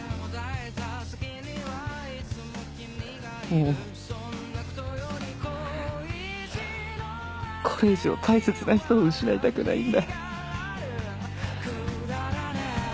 もうこれ以上大切な人を失いたくないんだ。